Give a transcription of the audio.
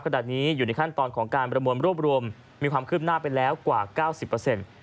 ขณะนี้อยู่ในขั้นตอนของการประมวลรวบรวมมีความคืบหน้าไปแล้วกว่าเก้าสิบเปอร์เซ็นต์